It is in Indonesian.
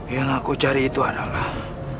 yang aku cari itu adalah